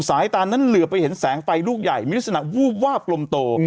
สายตานั้นเหลือไปเห็นแสงไฟลูกใหญ่มีลักษณะวูบวาบกลมโต